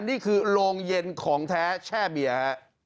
นี่คือโรงเย็นของแท้แช่เบียร์